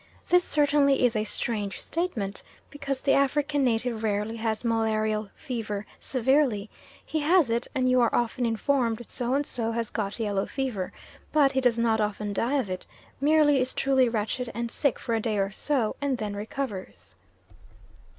This certainly is a strange statement, because the African native rarely has malarial fever severely he has it, and you are often informed So and so has got yellow fever, but he does not often die of it, merely is truly wretched and sick for a day or so, and then recovers.